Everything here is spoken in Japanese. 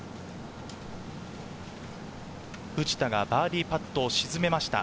藤田がバーディーパットを沈めました。